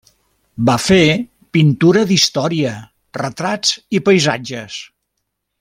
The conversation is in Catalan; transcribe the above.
Va fer pintura d'història, retrats i paisatges.